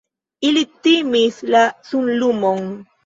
Ili timis la sunlumon.